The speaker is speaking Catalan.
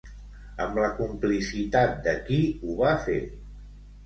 Amb la complicitat de qui ho va fer?